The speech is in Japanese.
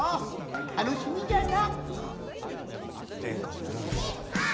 たのしみじゃな！